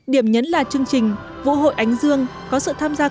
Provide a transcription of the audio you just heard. điểm nhấn là chương trình vũ hội ánh dương có sự tham gia